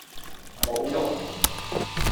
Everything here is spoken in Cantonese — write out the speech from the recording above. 侮辱